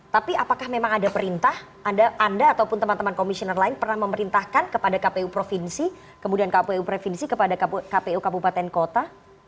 tapi apakah memang ada perintah anda ataupun teman teman komisioner lain pernah memerintahkan kepada kpu provinsi kemudian kpu provinsi kepada kpu kabupaten kota